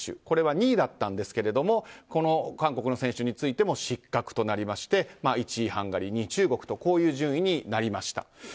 これは２位だったんですがこの韓国の選手についても失格となりまして１位ハンガリー、２位中国とこういう順位になりました。